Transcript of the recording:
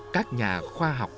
các nhà khoa học